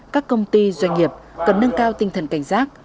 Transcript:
các công ty doanh nghiệp cần nâng cao tinh thần cảnh giác